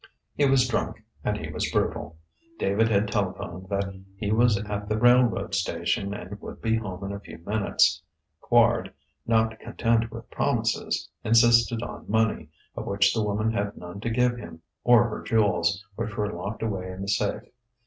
He was drunk and he was brutal: David had telephoned that he was at the railroad station and would be home in a few minutes; Quard, not content with promises, insisted on money, of which the woman had none to give him, or her jewels, which were locked away in the safe.